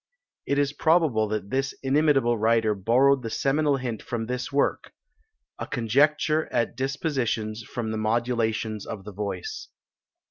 It is probable that this inimitable writer borrowed the seminal hint from this work: "A conjecture at dispositions from the modulations of the voice.